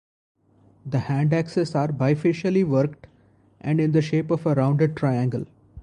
The handaxes are bifacially-worked and in the shape of a rounded triangle.